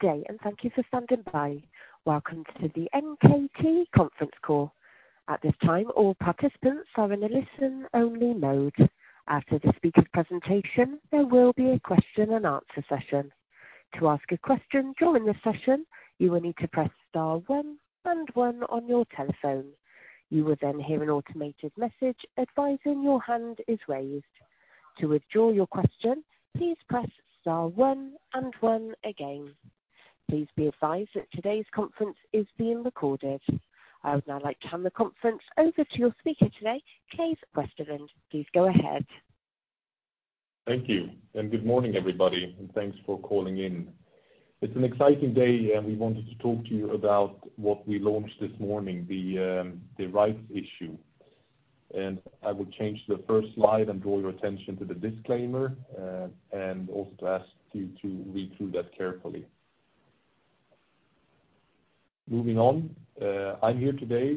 Good day, and thank you for standing by. Welcome to the NKT conference call. At this time, all participants are in a listen-only mode. After the speaker presentation, there will be a question and answer session. To ask a question during the session, you will need to press star one and one on your telephone. You will then hear an automated message advising your hand is raised. To withdraw your question, please press star one and one again. Please be advised that today's conference is being recorded. I would now like to turn the conference over to your speaker today, Claes Westerlind. Please go ahead. Thank you. Good morning, everybody, and thanks for calling in. It's an exciting day, and we wanted to talk to you about what we launched this morning, the rights issue. I will change the first slide and draw your attention to the disclaimer, and also to ask you to read through that carefully. Moving on, I'm here today,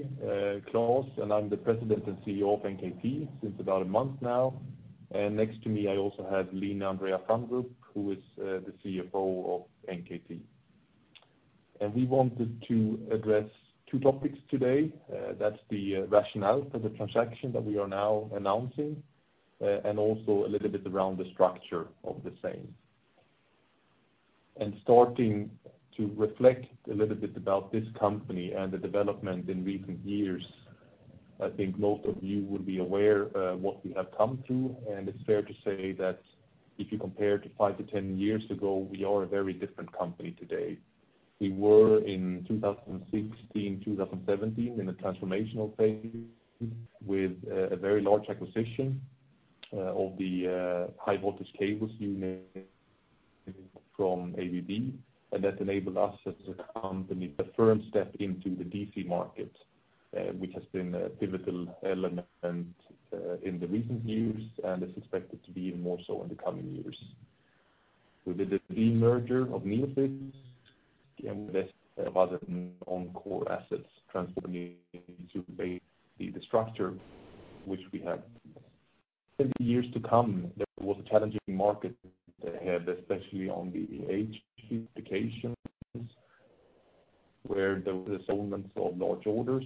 Claes, and I'm the President and CEO of NKT since about a month now. Next to me, I also have Line Andrea Fandrup, who is the CFO of NKT. We wanted to address two topics today. That's the rationale for the transaction that we are now announcing, and also a little bit around the structure of the same. Starting to reflect a little bit about this company and the development in recent years, I think most of you would be aware what we have come through, and it's fair to say that if you compare to 5 to 10 years ago, we are a very different company today. We were, in 2016, 2017, in a transformational phase with a very large acquisition of the high voltage cables unit from ABB, and that enabled us as a company, the firm step into the D.C. market, which has been a pivotal element in the recent years and is expected to be even more so in the coming years. We did the demerger of Nilfisk. We invested a lot of on core assets, transforming into the structure which we had. In the years to come, there was a challenging market ahead, especially on the HVAC specifications, where there were dissolutions of large orders,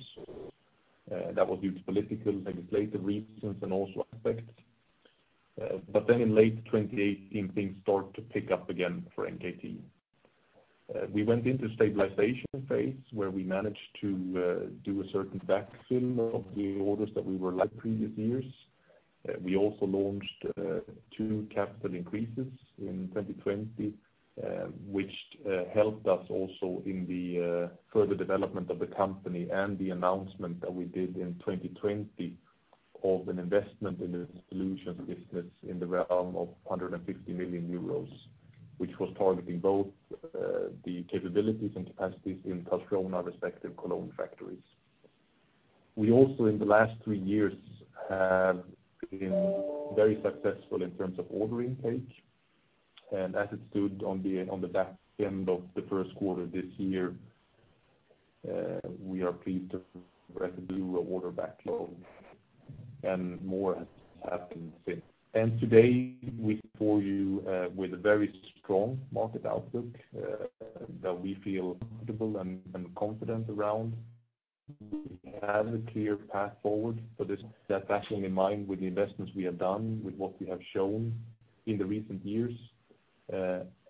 that was due to political, legislative reasons and also aspects. In late 2018, things started to pick up again for NKT. We went into stabilization phase, where we managed to do a certain backfill of the orders that we were like previous years. We also launched two capital increases in 2020, which helped us also in the further development of the company and the announcement that we did in 2020 of an investment in the solution business in the realm of 150 million euros, which was targeting both the capabilities and capacities in Karlskrona, respective Cologne factories. We also, in the last three years, have been very successful in terms of ordering pace. As it stood on the, on the back end of the first quarter this year, we are pleased to read the blue order backlog, and more has happened since. Today, we for you, with a very strong market outlook, that we feel comfortable and confident around. We have a clear path forward for this, that actually in mind, with the investments we have done, with what we have shown in the recent years,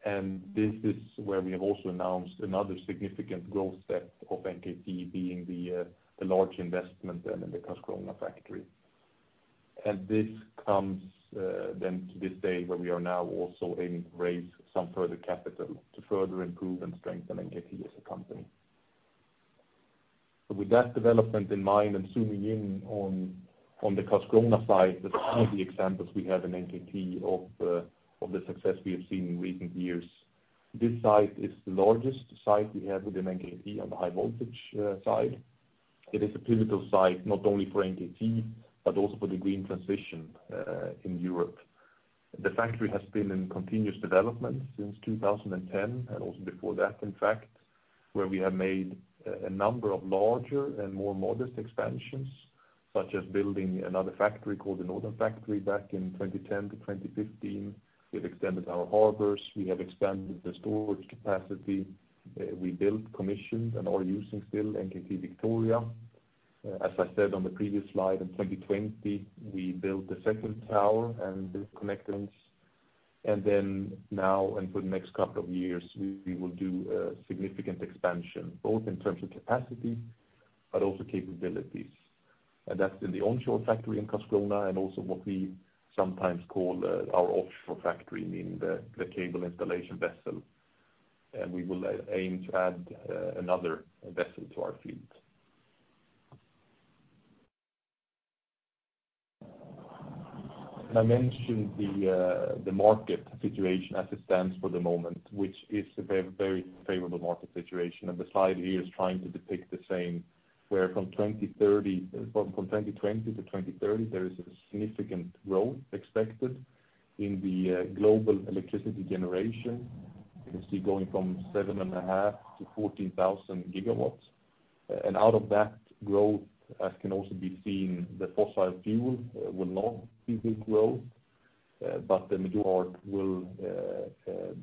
and this is where we have also announced another significant growth step of NKT being the large investment in the Karlskrona factory. This comes, then to this day, where we are now also aim to raise some further capital to further improve and strengthen NKT as a company. With that development in mind and zooming in on the Karlskrona side, with one of the examples we have in NKT of the success we have seen in recent years. This site is the largest site we have within NKT on the high voltage side. It is a pivotal site not only for NKT, but also for the green transition in Europe. The factory has been in continuous development since 2010, and also before that, in fact, where we have made a number of larger and more modest expansions, such as building another factory called the Northern Factory back in 2010-2015. We've extended our harbors, we have expanded the storage capacity, we built, commissioned, and are using still NKT Victoria. As I said on the previous slide, in 2020, we built the second tower and this connections. Now and for the next couple of years, we will do a significant expansion, both in terms of capacity, but also capabilities. That's in the onshore factory in Karlskrona and also what we sometimes call our offshore factory, meaning the cable installation vessel. We will aim to add another vessel to our fleet. I mentioned the market situation as it stands for the moment, which is a very, very favorable market situation. The slide here is trying to depict the same, where from 2030, from 2020 to 2030, there is a significant growth expected in the global electricity generation. You can see going from 7.5 to 14,000 GW. Out of that growth, as can also be seen, the fossil fuel will not see big growth. But the middle part will,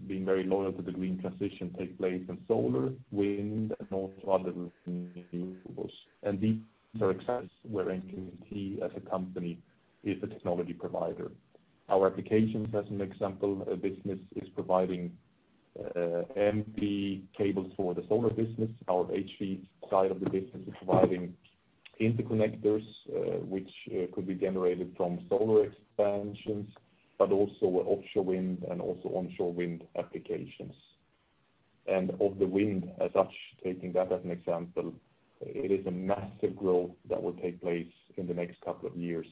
being very loyal to the green transition, take place in solar, wind, and also other renewables. These are access where NKT as a company is a technology provider. Our applications, as an example, a business is providing MV cables for the solar business. Our HV side of the business is providing interconnectors, which could be generated from solar expansions, but also offshore wind and also onshore wind applications. Of the wind as such, taking that as an example, it is a massive growth that will take place in the next couple of years.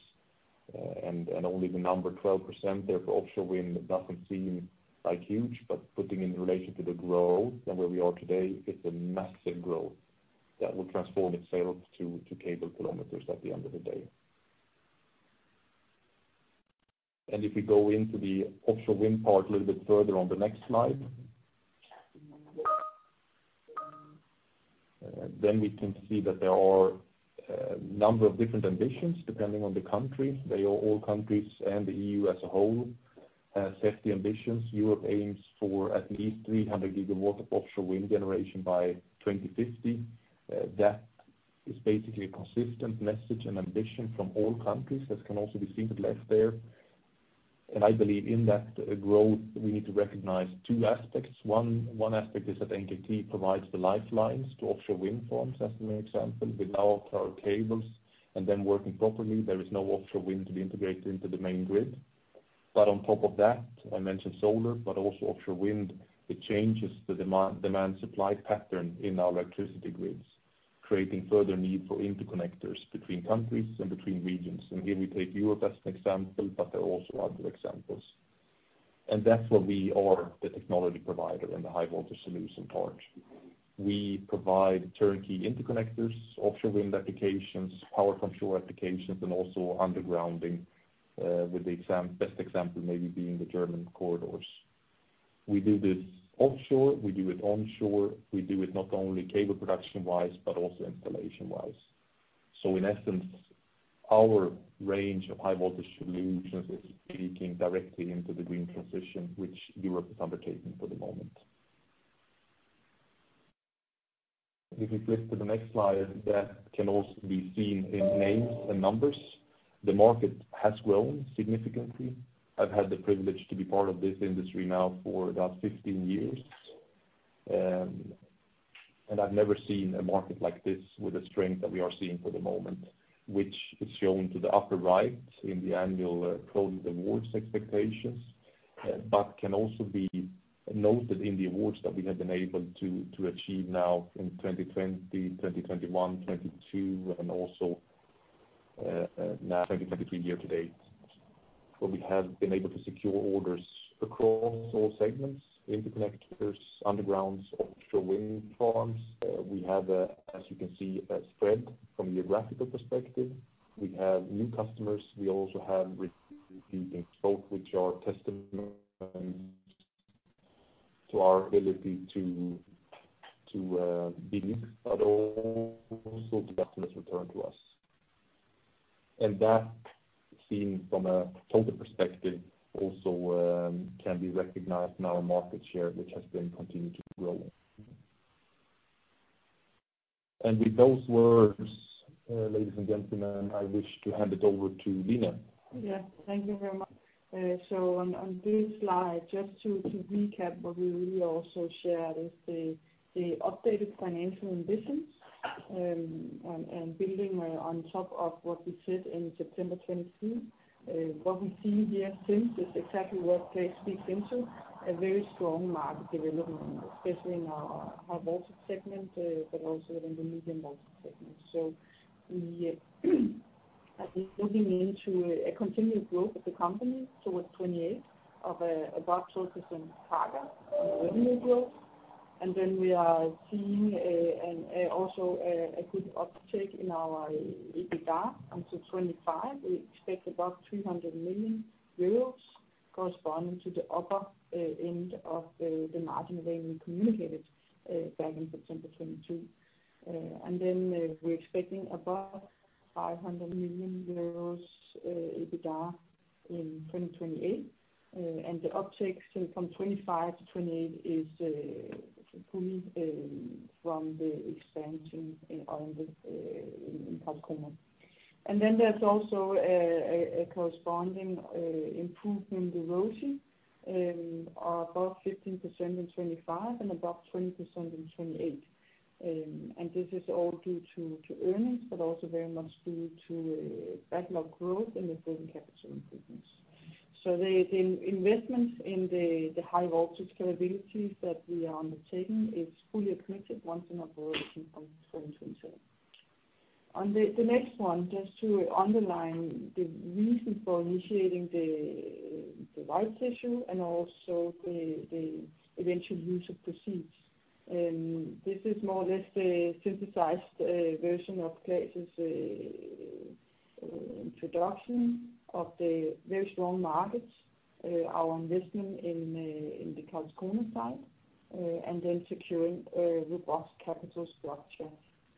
Only the number 12%, therefore, offshore wind doesn't seem like huge, but putting in relation to the growth and where we are today, it's a massive growth that will transform itself to cable kilometers at the end of the day. If we go into the offshore wind part a little bit further on the next slide, then we can see that there are a number of different ambitions depending on the country. They are all countries, and the EU as a whole set the ambitions. Europe aims for at least 300 GW of offshore wind generation by 2050. That is basically a consistent message and ambition from all countries, as can also be seen at left there. I believe in that growth, we need to recognize two aspects. One aspect is that NKT provides the lifelines to offshore wind farms. As an example, with our power cables and them working properly, there is no offshore wind to be integrated into the main grid. On top of that, I mentioned solar, but also offshore wind. It changes the demand supply pattern in our electricity grids, creating further need for interconnectors between countries and between regions. Here we take Europe as an example, but there are also other examples. That's where we are the technology provider and the high voltage solution part. We provide turnkey interconnectors, offshore wind applications, power from shore applications, and also undergrounding, with the best example maybe being the German corridors. We do this offshore, we do it onshore, we do it not only cable production-wise, but also installation-wise. In essence, our range of high voltage solutions is speaking directly into the green transition, which Europe is undertaking for the moment. If you flip to the next slide, that can also be seen in names and numbers. The market has grown significantly. I've had the privilege to be part of this industry now for about 15 years, and I've never seen a market like this with the strength that we are seeing for the moment, which is shown to the upper right in the annual project awards expectations. Can also be noted in the awards that we have been able to achieve now in 2020, 2021, 2022, and also now 2023 year to date, where we have been able to secure orders across all segments, interconnectors, undergrounds, offshore wind farms. We have, as you can see, a spread from a geographical perspective. We have new customers. We also have, both which are testament to our ability to be unique, but also customers return to us. That, seen from a total perspective, also, can be recognized in our market share, which has been continued to grow. With those words, ladies and gentlemen, I wish to hand it over to Line. Yeah, thank you very much. On this slide, just to recap what we really also shared is the updated financial ambitions, and building on top of what we said in September 2022. What we've seen here since is exactly what Claes speaks into, a very strong market development, especially in our voltage segment, but also in the medium voltage segment. We are looking into a continued growth of the company towards 2028 of above 12% target on the revenue growth. We are seeing a good uptake in our EBITDA. Until 2025, we expect about 300 million euros, corresponding to the upper end of the margin range we communicated back in September 2022. We're expecting above 500 million euros EBITDA in 2028. The uptakes from 25 to 28 is fully from the expansion in, on the, in Karlskrona. There's also a corresponding improvement in ROCE of above 15% in 25 and above 20% in 28. This is all due to earnings, but also very much due to backlog growth and improving capital improvements. The investments in the high voltage capabilities that we are undertaking is fully accredited once and operation from 2022. On the next one, just to underline the reason for initiating the rights issue and also the eventual use of proceeds. This is more or less a synthesized version of Claes' introduction of the very strong markets, our investment in the Karlskrona side, securing a robust capital structure.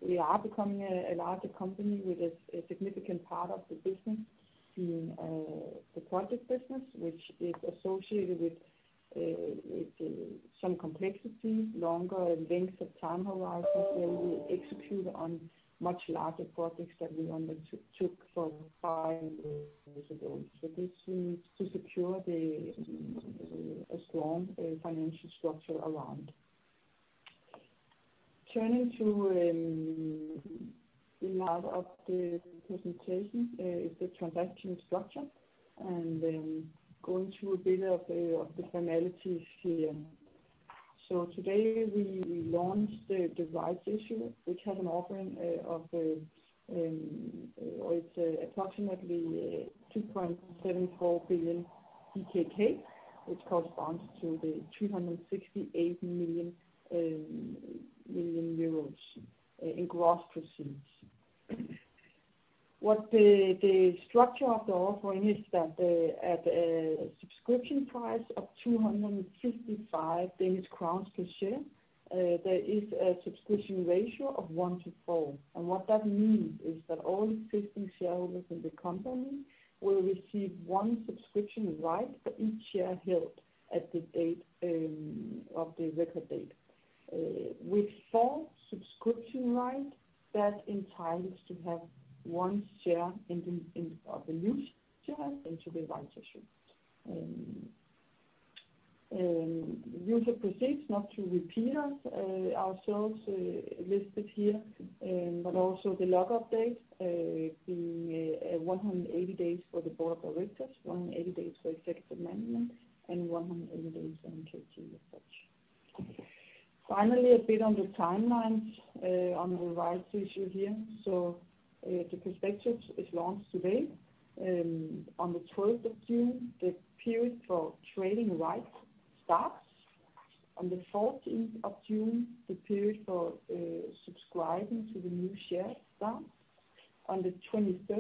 We are becoming a larger company with a significant part of the business being the project business, which is associated with some complexity, longer lengths of time horizons. We execute on much larger projects that we only took for five years ago. This we need to secure a strong financial structure around. Turning to the last of the presentation is the transaction structure, going through a bit of the formalities here. Today we launched the rights issue, which has an offering of the, or it's approximately DKK 2.74 billion, which corresponds to the 268 million euros in gross proceeds. What the structure of the offering is that at subscription price of 255 Danish crowns per share, there is a subscription ratio of 1 to 4. What that means is that all existing shareholders in the company will receive 1 subscription right for each share held at the date of the record date. With 4 subscription rights, that entitles to have 1 share of the new share into the rights issue. User proceeds, not to repeat ourselves listed here, but also the lock-up date being 180 days for the board of directors, 180 days for executive management, and 180 days on to as such. Finally, a bit on the timelines on the rights issue here. The perspective is launched today. On June 12, the period for trading rights starts. On June 14, the period for subscribing to the new shares starts. On June 23,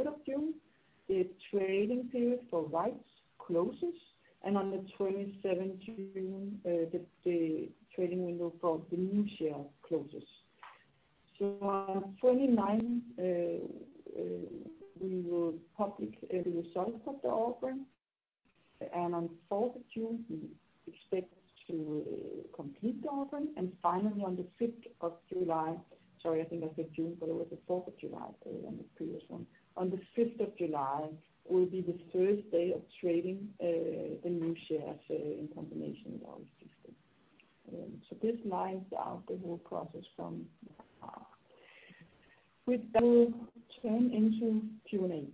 the trading period for rights closes, and on June 27, the trading window for the new share closes. On June 29, we will public the results of the offering, and on July 4, we expect to complete the offering. Finally, on the fifth of July, sorry, I think I said June, but it was the fourth of July, on the previous one. On the fifth of July will be the first day of trading, the new shares, in combination with our existing. This lines out the whole process from. With that we'll turn into Q&A.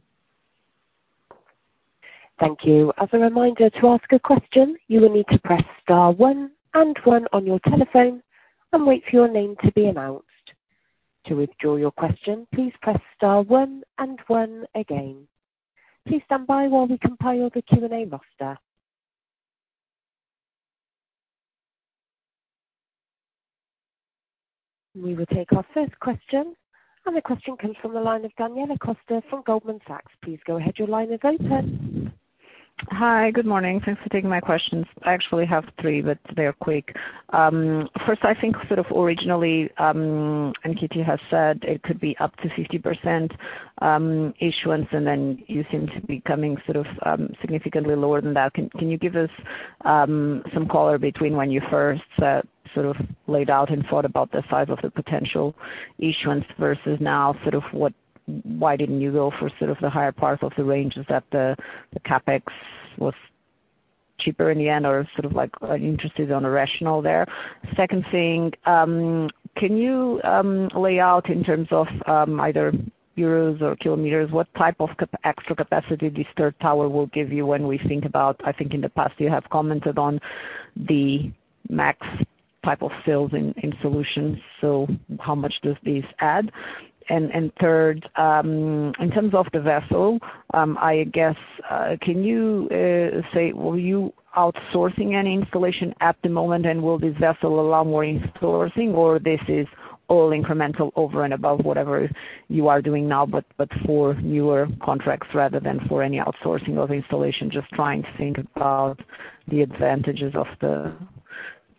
Thank you. As a reminder, to ask a question, you will need to press star one and one on your telephone and wait for your name to be announced. To withdraw your question, please press star one and one again. Please stand by while we compile the Q&A roster. We will take our first question. The question comes from the line of Daniela Costa from Goldman Sachs. Please go ahead, your line is open. Hi, good morning. Thanks for taking my questions. I actually have three, but they are quick. First, I think sort of originally, NKT has said it could be up to 50% issuance, and then you seem to be coming sort of significantly lower than that. Can you give us some color between when you first sort of laid out and thought about the size of the potential issuance versus now, sort of, why didn't you go for sort of the higher part of the range? Is that the CapEx was cheaper in the end, or sort of like interested on the rationale there? Second thing, can you lay out in terms of either euros or kilometers, what type of extra capacity this third tower will give you when we think about... I think in the past you have commented on the max type of sales in solutions, so how much does this add? Third, in terms of the vessel, I guess, can you say, were you outsourcing any installation at the moment, and will this vessel allow more outsourcing, or this is all incremental over and above whatever you are doing now, but for newer contracts, rather than for any outsourcing of installation? Just trying to think about the advantages of the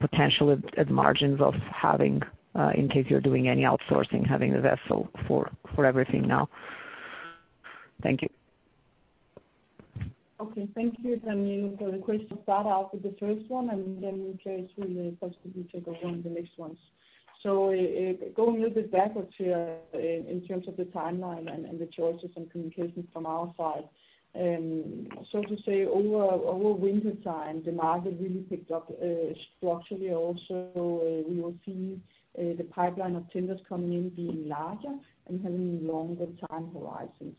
potential at margins of having, in case you're doing any outsourcing, having the vessel for everything now. Thank you. Thank you, Daniela, for the questions. Start out with the first one. We'll carry through the possibility to go on the next ones. Going a little bit backwards here in terms of the timeline and the choices and communications from our side. So to say, over winter time, the market really picked up, structurally also, we will see the pipeline of tenders coming in being larger and having longer time horizons.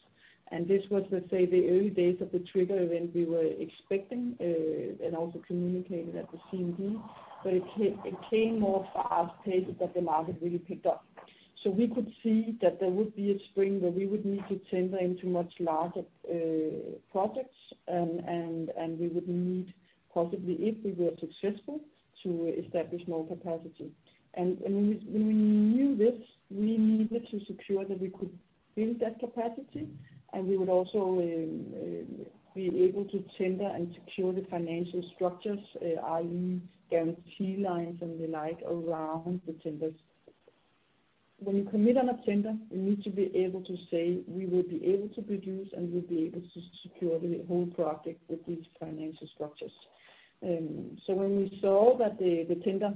This was, let's say, the early days of the trigger event we were expecting and also communicating at the CMD. It came more fast-paced that the market really picked up. We could see that there would be a spring where we would need to tender into much larger projects, and we would need, possibly, if we were successful, to establish more capacity. We knew this, we needed to secure that we could build that capacity, and we would also be able to tender and secure the financial structures, i.e., guarantee lines and the like around the tenders. When you commit on a tender, you need to be able to say, we will be able to produce, and we'll be able to secure the whole project with these financial structures. So when we saw that the tender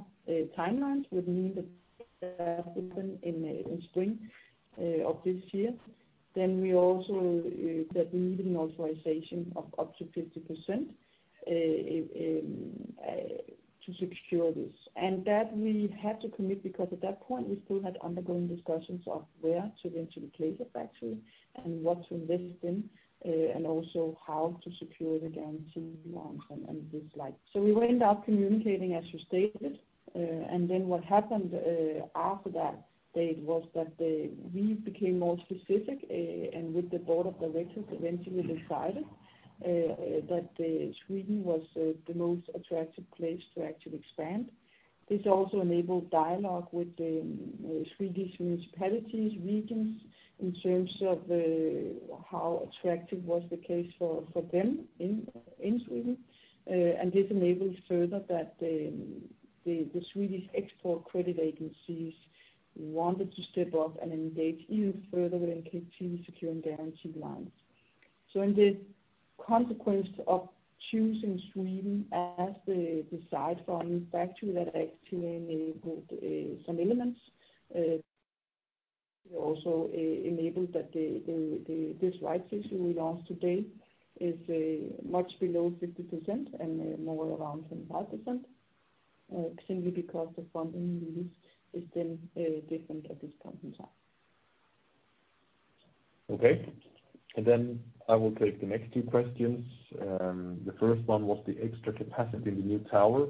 timelines would mean that open in spring of this year, then we also that we need an authorization of up to 50% to secure this. And that we had to commit, because at that point, we still had undergoing discussions of where to go into the cable factory and what to invest in, and also how to secure the guarantee loans and things like. So we went out communicating, as you stated, and then what happened after that date was that we became more specific, and with the board of directors, eventually decided that Sweden was the most attractive place to actually expand. This also enabled dialogue with the Swedish municipalities, regions, in terms of how attractive was the case for them in Sweden. This enabled further that the Swedish export credit agencies wanted to step up and engage even further with NKT to secure and guarantee lines. In the consequence of choosing Sweden as the site for a new factory, that actually enabled some elements, it also enabled that this right issue we launched today is much below 50% and more around 25%, simply because the funding used is then different at this point in time. Okay. I will take the next two questions. The first one was the extra capacity in the new tower.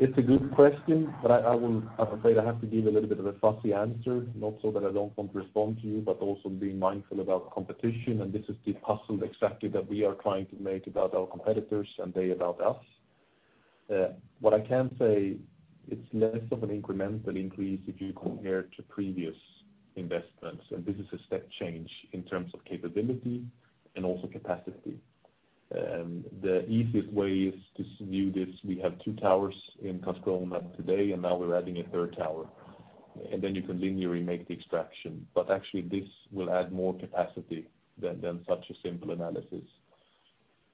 It's a good question, I'm afraid I have to give a little bit of a fuzzy answer. Not so that I don't want to respond to you, but also being mindful about competition, and this is the puzzle exactly that we are trying to make about our competitors, and they about us. What I can say, it's less of an incremental increase if you compare to previous investments, and this is a step change in terms of capability and also capacity. The easiest way is to view this, we have two towers in Karlskrona today, and now we're adding a third tower, and then you can linearly make the extraction. Actually this will add more capacity than such a simple analysis.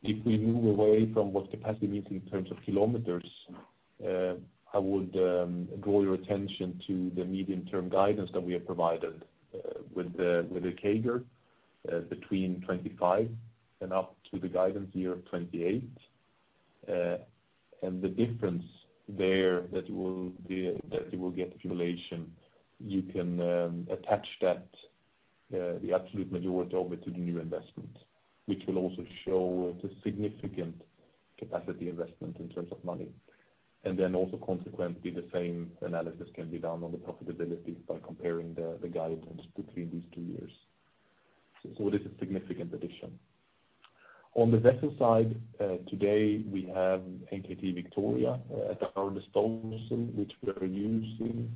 If we move away from what capacity means in terms of kilometers, I would draw your attention to the medium-term guidance that we have provided with the CAGR between 2025 and up to the guidance year of 2028. The difference there, that you will get accumulation, you can attach that the absolute majority of it to the new investment. Which will also show the significant capacity investment in terms of money. Then also consequently, the same analysis can be done on the profitability by comparing the guidance between these two years. This is a significant addition. On the vessel side, today, we have NKT Victoria at our disposal, which we are using.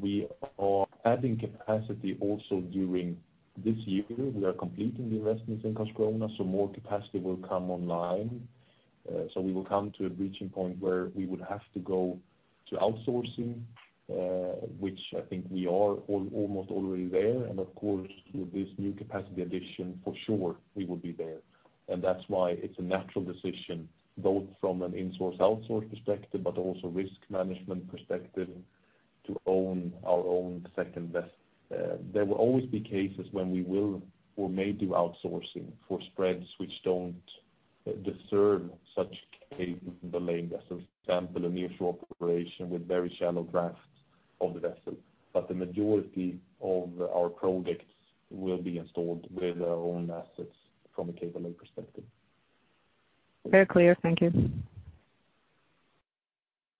We are adding capacity also during this year. We are completing the investments in Karlskrona, so more capacity will come online. So we will come to a breaching point where we would have to go to outsourcing, which I think we are almost already there. Of course, with this new capacity addition, for sure we will be there. That's why it's a natural decision, both from an insource, outsource perspective, but also risk management perspective, to own our own second best. There will always be cases when we will or may do outsourcing for spreads which don't deserve such a delay. As an example, a nearshore operation with very shallow drafts of the vessel, but the majority of our projects will be installed with our own assets from a cable perspective. Very clear. Thank you.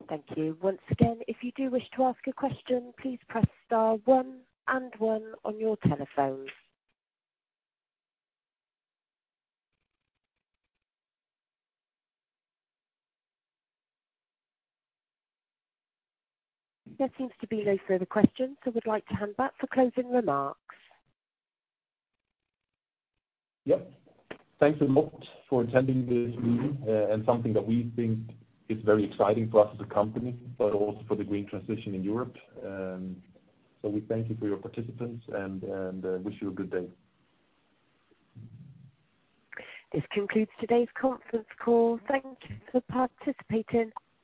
Thank you. Once again, if you do wish to ask a question, please press star one and one on your telephone. There seems to be no further questions. We'd like to hand back for closing remarks. Yep. Thank you so much for attending this meeting, and something that we think is very exciting for us as a company, but also for the green transition in Europe. We thank you for your participants and wish you a good day. This concludes today's conference call. Thank you for participating.